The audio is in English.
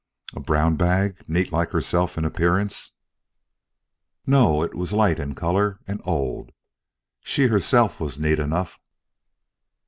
"A brown bag, neat like herself in appearance?" "No. It was light in color and old. She herself was neat enough."